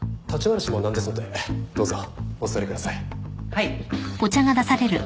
はい。